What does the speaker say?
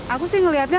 aku sih ngeliatnya